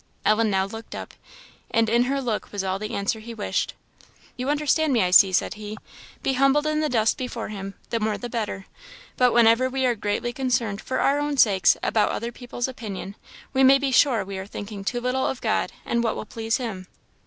Ellen now looked up, and in her look was all the answer he wished. "You understand me, I see," said he. "Be humbled in the dust before him the more the better; but whenever we are greatly concerned, for our own sakes, about other people's opinion, we may be sure we are thinking too little of God and what will please him."